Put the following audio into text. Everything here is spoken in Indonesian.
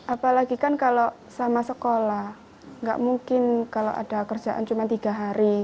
apalagi kan kalau sama sekolah nggak mungkin kalau ada kerjaan cuma tiga hari